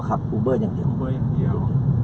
อ๋อขับอูเบอร์อย่างเดียว